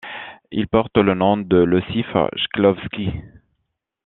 Il porte le nom de Iossif Chklovski.